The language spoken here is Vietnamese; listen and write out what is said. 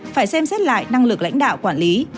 chết lại năng lực lãnh đạo quản lý